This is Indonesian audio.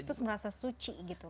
terus merasa suci gitu